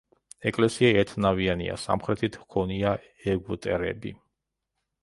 ეკლესია ერთნავიანია, სამხრეთით ჰქონია ეგვტერები.